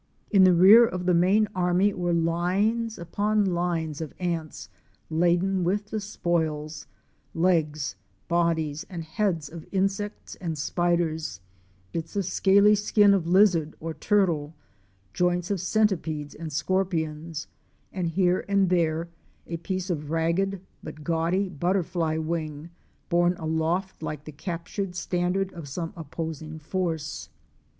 In the rear of the main army were lines upon lines of ants laden with the spoils: legs, bodies, and heads of insects and spiders, bits of scaly skin of lizard or turtle, joints of centipedes and scorpions, and here and there a piece of ragged but gaudy butterfly wing borne aloft like the captured standard of some opposing force.